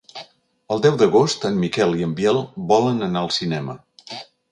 El deu d'agost en Miquel i en Biel volen anar al cinema.